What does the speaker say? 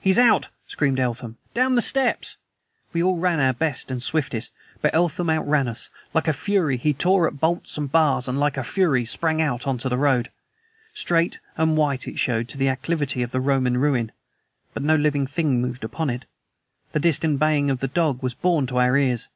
"He's out!" screamed Eltham. "Down the steps!" We all ran our best and swiftest. But Eltham outran us. Like a fury he tore at bolts and bars, and like a fury sprang out into the road. Straight and white it showed to the acclivity by the Roman ruin. But no living thing moved upon it. The distant baying of the dog was borne to our ears.